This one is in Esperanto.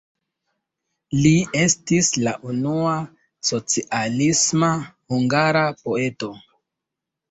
Li estis la unua socialisma hungara poeto.